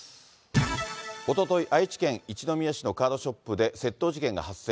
おととい、愛知県一宮市のカードショップで窃盗事件が発生。